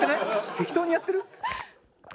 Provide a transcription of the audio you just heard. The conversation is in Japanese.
適当にやってる？